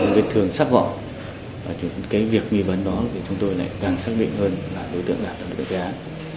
với cái thương sắc gỏ cái việc nghi vấn đó thì chúng tôi lại càng xác định hơn là đối tượng đạt đồng độc đại án